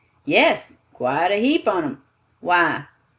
"Yes, quite a heap on 'em. Why?